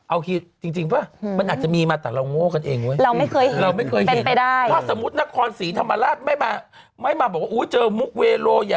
อ้าวต่อไปไม่มีกินแล้วะผมว่า